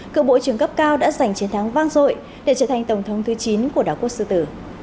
cựu bộ trưởng cấp cao đã giành chiến thắng vang dội để trở thành tổng thống thứ chín của đảng quốc sư tử